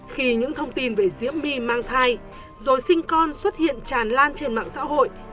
khi những thông tin về diễm my mang thai rồi sinh con xuất hiện tràn lan trên mạng xã hội